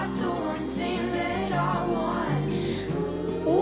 お！